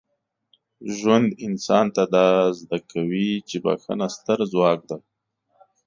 ژوند انسان ته دا زده کوي چي بخښنه ستره ځواک ده.